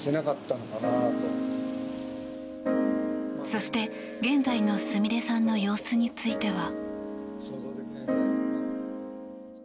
そして現在のすみれさんの様子については。